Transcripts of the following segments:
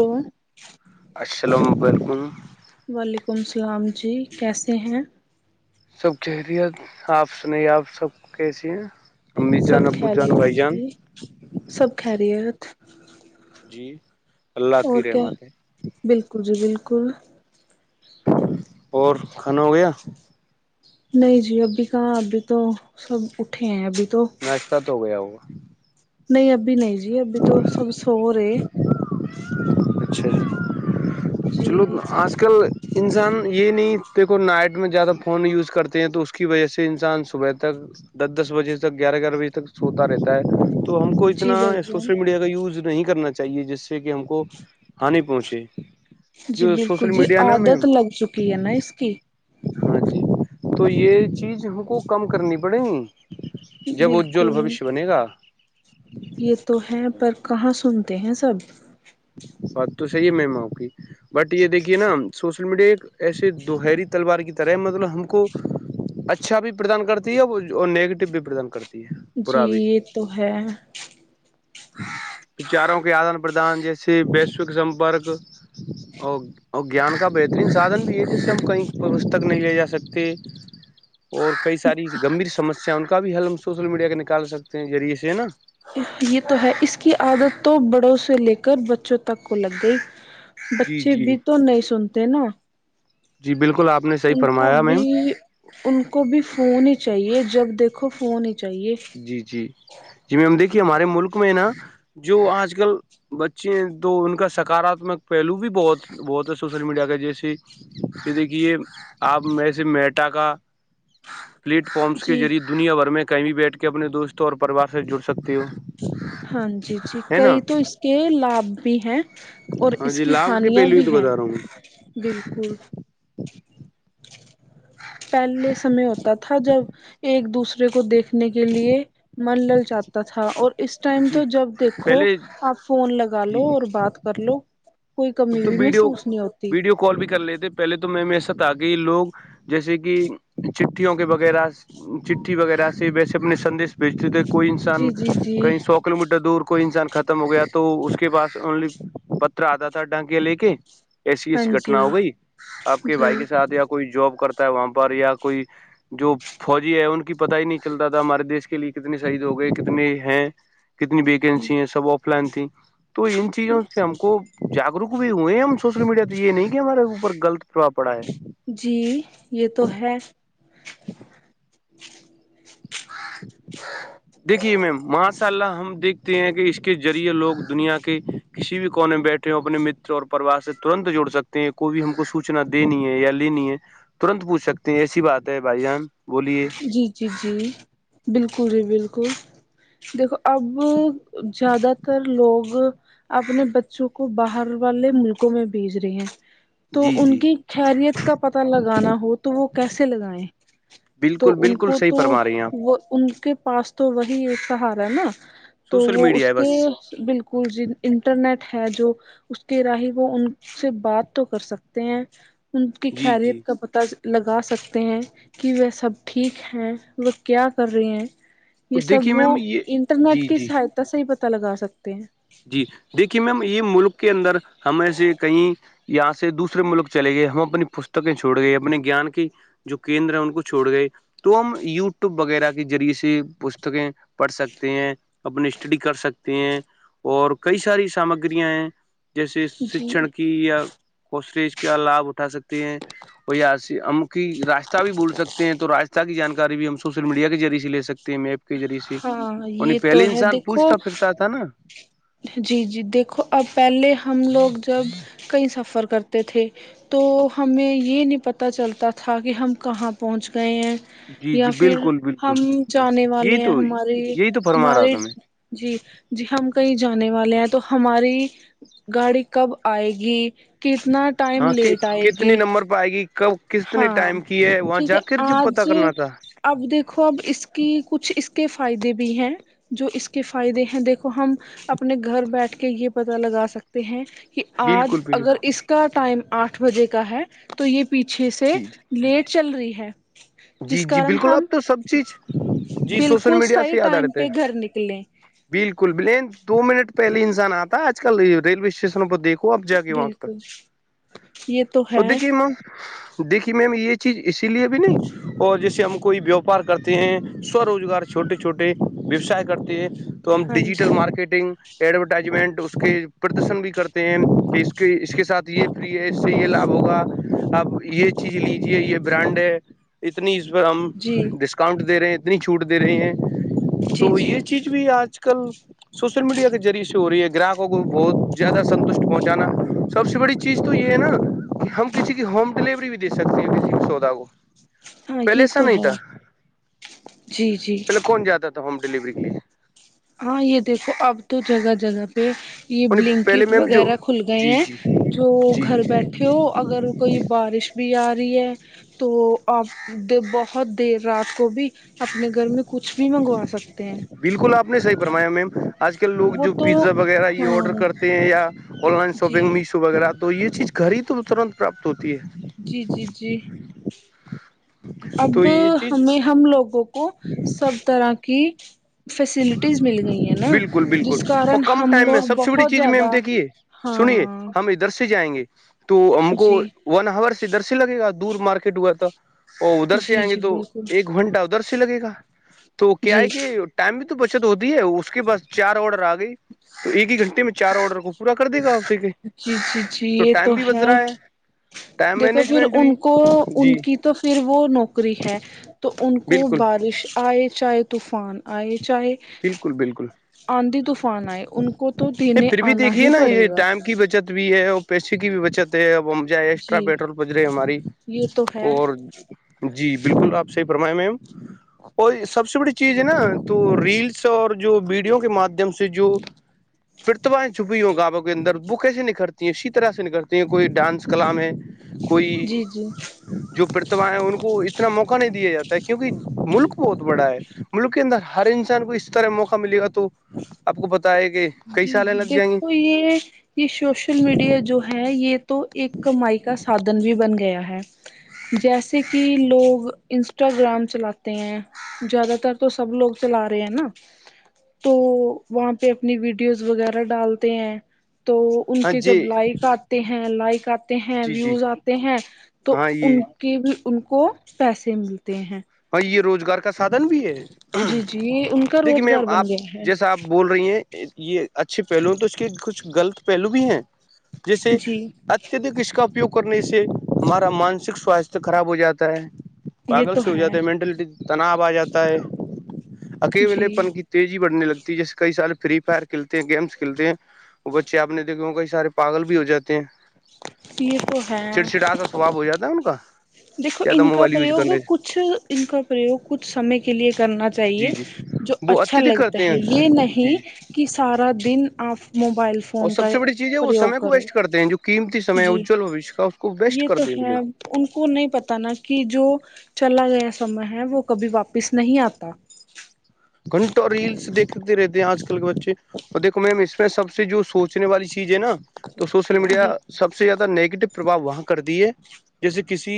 Hello السلام علیکم وعلیکم السلام جی کیسے ہیں سب کیہریت آپ سنے آپ سب کیسی ہیں امی جان سب ابو جان بھائی خیریت جان جی سب خرییت جی اللہ کی کیا رحمت ہے بالکل جی بالکل اور کھانا ہو گیا نہیں جی ابھی کہاں ابھی تو سب اٹھے ہیں ابھی تو ناشتہ تو ہو گیا ہوا نہیں ابھی نہیں جی ابھی تو سب سو رہے اچھا چلو جی آج کل انسان یہ نہیں دیکھو نائٹ میں زیادہ فون یوز کرتے ہیں تو اس کی وجہ سے انسان صبح تک دس دس بجے تک گیارہ گیارہ بجے تک سوتا رہتا ہے تو ہم کو جی اتنا بھائی جان سوشل میڈیا کا یوز نہیں کرنا چاہیے جس سے کہ ہم کو ہانی پہنچے جی جو بالکل سوشل جی میڈیا ہے نا عادت میم لگ چکی ہے نا اس کی ہاں جی تو یہ چیز ہم کو کم کرنی پڑے گی جب اجول بالکل بھشیہ بنے گا یہ تو ہیں پر کہاں سنتے ہیں سب بات تو صحیح ہے میما آپ کی بٹ یہ دیکھیے نا سوشل میڈیا ایک ایسے دوہری تلوار کی طرح ہے مطلب ہم کو اچھا بھی پردان کرتی ہے نیگیٹو بھی پردان کرتی ہے جی برا بھی یہ تو ہے وچاروں کے آدان پردان جیسے ویشوک سمپرک او اور گیان کا بہترین سادھن بھی ہے جس سے ہم کہیں پستک نہیں لے جا سکتے اور کئی ساری گمبھیر سمسیا ان کا بھی حل ہم سوشل میڈیا کے نکال سکتے ہیں ذریعے سے نا یہ تو ہے اس کی عادت تو بڑوں سے لے کر بچوں تک کو لگ گئی جی بچے جی بھی تو نہیں سنتے نا جی بالکل آپ نے صحیح ان کو فرمایا بھی میم ان کو بھی فون ہی چاہیے جب دیکھو فون ہی چاہیے جی جی جی میم دیکھیے ہمارے ملک میں نا جو آج کل بچے تو ان کا سکاراتمک پہلو بھی بہت بہت ہے سوشل میڈیا کا جیسے یہ دیکھیے آپ میں سے میٹا کا پلیٹ فارمس کے جی ذریعے دنیا بھر میں کہیں بھی بیٹھ کے اپنے دوستوں اور پریوار سے جڑ سکتی ہو ہاں جی جی ہے کئی نا تو اس کے لابھ بھی ہیں اور ہاں اس جی کی لابھ کے ہانیاں پہلو ہی بھی تو ہیں بتا رہا ہوں میں بلکل [inaudible] پہلے سمے ہوتا تھا جب ایک دوسرے کو دیکھنے کے لیے من للچاتا تھا اور اس اس ٹائم جی تو جب دیکھو پہلے آپ فون لگا جی لو اور بات کر لو کوئی کمی اب تو بھی ویڈیو محسوس نہیں ہوتی ویڈیو کال بھی کر لیے تھے پہلے تو میں میرے ساتھ آ گئی لوگ [inaudible] جیسے کہ چٹھیوں کے وغیرہ چٹھی وغیرہ سے ویسے اپنے سندیش بیچ تو کوئی جی انسان جی جی کہیں سو کلو میٹر دور کوئی انسان ختم ہو گیا تو اس کے پاس اونلی پترا آتا تھا ڈھنک کے لے کے ایسی ہاں ایسی جی گھٹنا ہو گئی آپ کے بھائی کے جی ساتھ یا کوئی جاب کرتا ہے وہاں پر یا کوئی جور،۔ [inaudible] فوجی ہے ان کی پتا ہی نہیں چلتا تھا ہمارے دیش کے لیے کتنے شہید ہو گئے کتنے ہیں کتنی ویکنسی ہیں سب آف لائن تھی تو ان چیزوں سے ہم کو جاگروک بھی ہوئے ہیں ہم سوشل میڈیا تو یہ نہیں کہ ہمارے اوپر غلط پرباؤ پڑا ہے جی یہ تو ہے ج [unintelligible] [inaudible] دیکھیے میم ماشاء اللہ ہم دیکھتے ہیں کہ اس کے ذریعے لوگ دنیا کے کسی بھی کونےمیں بیٹھے ہو اپنے متر اور پریوار سے ترنت جوڑ سکتے ہیں کوئی بھی ہم کو سوچنا دینی ہے یا لینی ہے ترنت پوچھ سکتے ہیں ایسی بات ہے بھائی جان بولیے جی جی جی بلکل ہی بلکل دیکھو اب جیادہ تر لوگ اپنے بچوں کو باہر والے ملکوں میں بھیج رہے ہیں تو جی ان جی کی خیریت کا پتہ لگانا ہو تو وہ کیسے لگائیں تو بالکل ان بالکل کو صحیح تو فرما رہی ہیں آپ وہ ان کے پاس تو وہی ایک سہارا ہے نا تو سوشل وہ میڈیا اس ہے کے بس بالکل جی انٹرنیٹ ہے جو اس کے راہ وہ ان سے بات تو کر سکتے ہیں ان کی جی جی خیریت کا پتا لگا سکتے ہیں کہ ویسا سب ٹھیک ہے وہ کیا کر رہی ہیں یہ دیکھیے سب وہ میم یہ انٹرنیٹ جی کے جی سا صحیح پتہ لگا سکتے ہیں جی دیکھیے میم یہ ملک کے اندر ہمیں سے کہیں یہاں سے دوسرے ملک چلے گئے ہم اپنی پستکیں چھوڑ گئے اپنے گیان کی جو کیندر ہے ان کو چھوڑ گئے تو ہم یوٹیوب وغیرہ کے ذریعے سے پستکیں پڑھ سکتے ہیں اپنی اسٹڈی کر سکتے ہیں اور کئی ساری سامگریاں ہیں جیسے جی شکشن کی یا کوسج کا لابھ اٹھا سکتے ہیں اور یا ہم کی راستہ بھی بھول سکتے ہیں تو راستہ کی جانکاری بھی ہم س سوشل میڈیا کے ذریعے سے لے سکتے ہیں میپ کے ریے سے ہاں نی یہ تو پہلے ہے انسان دیکھو پوچھتا پھرتا تھا نا جی جی دیکھو اب پہلے ہم لوگ جب کئی سفر کرتے تھے تو ہمیں یہ نہیں پتہ چلتا تھا کہ ہم کہاں پہنچ گئے ہیں جی یا جی پھر بالکل بالکل ہم جانے والے یہی ہیں تو ہمارے یہی تو فرما رہا ہمارے تھا میں جی جی ہم کہیں جانے والے ہیں تو ہماری گاڑی کب آئے گی کتنا ٹائم لیٹ آئے گی پائے گی کب کتنے ہاں ٹائم کی وہاں ٹھیک ہے جا کر جب پتا آج کرنا تھا اب دیکھو اب اس کی کچھ اس کے فائدے بھی ہیں جو اس کے فائدے ہیں دیکھو ہم اپنے گھر بیٹھ کے یہ پتا لگا سکتے ہیں کہ آج بالکل بالکل اگر اس کا ٹائم آٹھ بجے کا ہے تو یہ پیچھے سے جی جی لیٹ چل رہی ہے جی جس جی کارن بالکل اب ہم تو سب چیز جی سوشل بالکل میڈیا سے صحیح یاد آ رہے ٹائم تھ ہیں پہ گھر نکلیں بالکل بلین دو منٹ پہلے انسان آتا آج کل ریلوے اسٹیشنوں پر دیکھ خوب جاگی وگتا بالکل یہ تو ہے اد کی م دیکھیے میم یہ چیز اسی لیے بھی نہیں اور جیسے ہم کوئی ووپار کرتے ہیں سو روزگار چھوٹے چھوٹے ویوسائے کرتے ہیں تو ہم ہاں ڈیجیٹل جی مارکیٹنگ ایڈورٹائزمنٹ اس کے پردرشن بھی کرتے ہیں اس کے ساتھ یہ اس سے یہ لابھ ہوگا آپ یہ چیز لیجیے یہ برانڈ ہے اتنی اس پرہ جی ہم ڈسکاؤنٹ دے رہے ہیں اتنی چھوٹ دے رہے ہیں جی تو جی یہ چیز بھی آج کل سوشل میڈیا کے ذریعے سے ہو رہی ہے گراہکوں کو بہت زیادہ سنتشٹ پہنچانا سب سے بڑی چیز تو یہ ہے نا کہ ہم کسی کی ہوم ڈیلیوری بھیے سکتے ہیں کسی سودا کو ہاں پہلے یہ ایسا تو نہیں ہے تھا جی جی پہلے کون جاتا تھا ہوم ڈیلیوری کے لیے ہاں یہ دیکھو اب تو جگہ جگہ پہ یہ انہیں پہلے بلنکٹ میم جو وغیرہ کھل گئے جی ہیں جی جو جی گھر بیٹھ کیو اگر کوئی بارش بھی آ رہی ہے تو آپ بہت دیر رات کو بھی اپنے گھر میں کچھ بھی منگوا سکتے ہیں بالکل آپ نے صحی فرمایا میم آج کل لوگ وہ جو تو پیزا وغیرہ یہ ہاں آرڈر کرتے ہیں یا آن لائن جی شاپنگ میشو وغیرہ تو یہ چیز گھر ہی تو ترنت پراپت ہوتی ہے جی جی جی تو اب یہ چیز ہمیں ہم لوگوں کو سب طرح کی فیسلٹیز مل گئی ہیں نا بالکل بالکل جس اور کارن کم ہم ٹائم میں لوگ سب سے بڑی بہت چیز میم زیادہ دیکھیے سنیے ہاں ہم ادھر ادھر جائیں گے تو ہم کو جی ون آور سے درس لگے گا دور مارکیٹ ہوا تھا وہ ادھر سے جی آئیں گے جی تو بالکل ایک گھنٹہ ادھر سے لگے گا تو کیا جی ہے کہ ٹائم بھی تو بچت ہوتی ہے اس کے باس چار آڈر آ گئی تو ایک ہی گھنٹے میں چار آڈر کو پورا کر دے گا آپ سے کے جی جی جی تو یہ ٹائم بھی بچ رہا ہے ٹائم دیکھو پھر مینجمنٹ بھی ان کو ان جی کی تو پھر وہ نوکری ہے تو ان کو بالکل بارش آئے چاہے طوفان آئے چاہے بالکل بالکل آندھی طوفان آئے ان کو تو دنے نہیں پھر بھی آنا ہی دیکھیے نا پڑے یہ گا ٹائم کی بچت بھی ہے اور پیشے کی بھی بچت ہے اب ہم جائے ایکسٹرا جی پیٹرول پج رہے ہماری یہ تو ہے اور جی بالکل آپ صحی فرمایا م اور سب سے بڑی چیز نا تو ریلس اور جو ویڈیو کے مادھیم سے جو پرتوایں چھپی ہ ہو گاؤوں کے اندر وہ کیسے نکھرتی ہیں اسی طرح سے نکھرتی ہیں کوئی ڈانس کلمام ہے کوئی جی جی جو پرتھا ہے ان کو اتنا موقع نہیں دیا جاتا ہے کیونکہ ملک بہت بڑا ہے ملک کے اندر ہر انسان کو اس طرح موقع ملے گا تو آپ کو بتائے کہ کئی جی سالیں جی لگ جائیں گی دیکھو یہ یہ سوشل میڈیا جو ہے یہ تو ایک کمائی کا سادھن بھی بن گیا ہے جیسے کہ لوگ انسٹاگرام چلاتے ہیں زیادہ تر تو سب لوگ چلا رہے ہیں نا تو وہاں پہ اپنی ویڈیوز وغیرہ ڈالتے ہیں تو ان ہاں کے جی جب لائک آتے ہیں لائک آ ہیں جی جی ویوز آتے ہیں تو ہاں یہ ان کے بھی ان کو پیسے ملتے ہیں ہاں یہ روزگار کا سادھن بھی ہے جی جی یہ ان کا دیکھیے میم روزگار بن آپ گیا ہے جیسا آپ بول رہی ہیں یہ اچھے پہلو ہیں تو اس کے کچھ غلط پہلو بھی ہیں جیسے جی اچ اتدک اس کا اپیوگ کرنے سے ہمارا مانسک سواستھ خراب ہو جاتا ہے یہ پاگل تو سے ہو جاتا ہے مینٹلٹی تناؤ آ جاتا ہے اکی جی ولے پن کی تیزی بڑھنے لگتی ہے جیسے کئی سال فری فائر کھیلتے ہیں گیمس کھیلتے ہیں وہ بچے آ نے دیکھے کئی سارے پاگل بھی ہو جاتے ہیں یہ تو ہے چڑچڑا سا سوااب ہو جاتا ہے ان کا دیکھو زیادہ ان کا موبائل یوز پریوگ کرنے سے کچھ ان کا پرریوگ کچھ سمے کے لیے کرنا جی چاہیے جی جو وہ اچھا اتدک لگتا کرتے ہے ہیں یہ جی جی نہیں کی سارا دین آپ موبائل فون اور سب کا سے بڑی چیز ہے وہ سم پریوگ کو کرو ویسٹ کرتے ہیں جو قیمتی سم جی ہےجل بھشیہ کا اس کو ویسٹ یہ تو کرتے ہیں ہے لوگ ان کو نہیں پتا نا کہ جو چلا گیا سمے ہے وہ کبھی واپس نہیں آتا گھنٹہ ریلس دیکھتے رہتے ہیں آج کل کے بچے اور دھو میم اس میں سب سے جو سوچ سچنے والی چیز ہے نا تو سوشل میڈیا جی سب سے زیادہ نگیٹو پرباؤ وہاں کر دی ہے جیسے کسی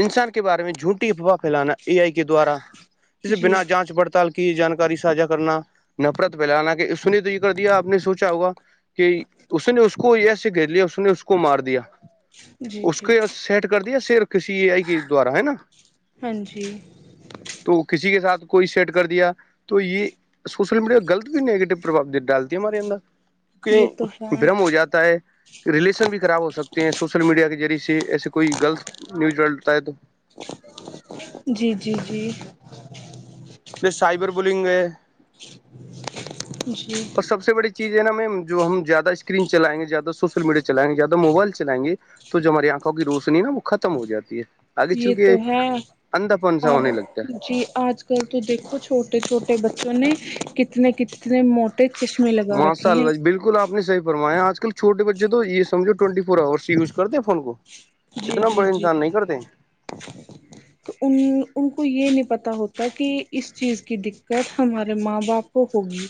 انسان کے بارے میں جھوٹی افواہ پھیلانا ا آئی کے دوارا جسے جی بنا جانچ پڑھتے کی جانکاری ساھا کرنا نفرت پھیلانا کہنے تو یہ کر دیا آپ نے سوچا ہوگا کہ اس نے اس کو ے گھیر لیا اس نے اس کو مار دیا جی اس جی کے سیٹ کر دیا صرف کسی ا آئی کے دوارا ہے نا ہاں جی تو کسی کے ساتھ کوئی سیٹ کر دیا تو یہ سوشل میڈیا غلط بھی نیگیٹو پرب ڈالتی ہے ہمارے اندر یہ تو کیکہ ہے برم ہو جاتا ہے ریلیشن بھی خراب ہو سکتے ہیں سوشل میڈیا کے ذریعے سے ایسے کوئی غلط نیوز ڈتا ہے تو جی جی جی جیس سائبر بلنگ ہے جی سب سے بڑی چیز ہے نایم جو ہم زیادہ اسکری چائیں گے زیاہ سوشل میڈیا چلائ گے زیادہ موبائل چلائ گے تو جو ہماری آنکھوں کی روشنی نا وہ ختم ہو جاتی ہے آگے چل یہ کے تو ہے اندھا پن سا اب ہونے لگتا جی آج کل تو دیکھو چھوٹے چھوٹے بچوں نے کتنے کتنے مو ماشاء اللہ بالکل بالل آپ صحی فرایا آجل چھوے بچے تو یہ سمجو ٹوینٹی فور آورس یوز کرتے فون کو جی اتنا جی بڑا جی انسان نہیں کرتے تو ان ان کو یہ نہیں پتا ہوتا کہ اس چیز کی دق کٹ ہمارے ماں باپ کو ہوگی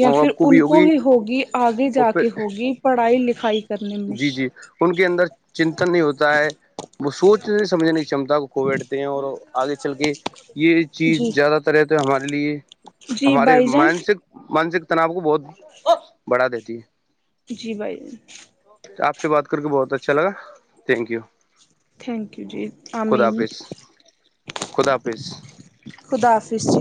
یا ماں پھر باپ بھی ان کو ہی ہوگی آگے اور جا کے پھر ہوگی پڑھائی لکھائی کرنے میں جی جی ان کے اندر چنتن نہیں ہوتا ہے وہ سوچ نہیں سمجھنے کی چمتا کو بیٹھتے ہیں اور آگے چل کے یہ چیز جی زیادہ تر ہے تو ہمارے لیے جی ہمارے بھائی جان مانسک مانسک تناؤ کو بہت بڑھا دیتی ہے جی بھائی آپ سے بات کر کے بہت اچھا لگا تھینک یو تھینک یو جی آئی خدا مین حافظ خدا حافظ خدا حافظ ج